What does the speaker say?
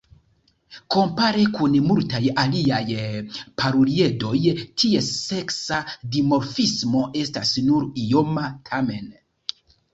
Kompare kun multaj aliaj paruliedoj, ties seksa dimorfismo estas nur ioma tamen.